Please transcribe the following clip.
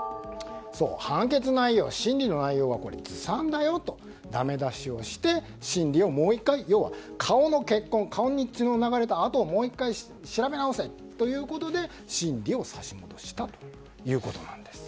判決内容、審理の内容はずさんだよとだめ出しをして、審理をもう１回要は顔の血痕顔の血の流れた痕をもう１回調べ直せということで審理を差し戻したということなんです。